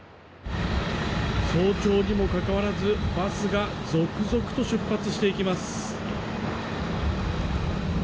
早朝にもかかわらずバスが続々と出発していきます。